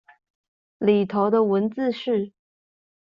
裡頭的文字是